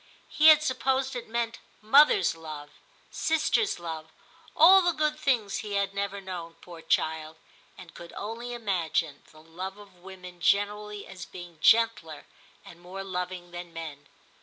He had supposed it meant mother's love, sister's love, all the good things he had never known, poor child ; and could only imagine the love of women generally as being gentler and more loving than men.